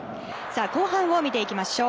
後半を見ていきましょう。